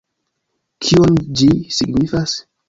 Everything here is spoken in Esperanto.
Kion ĝi signifas?